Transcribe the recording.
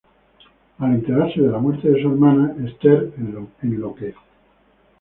Al enterarse de la muerte de su hermana, Esther enloquece.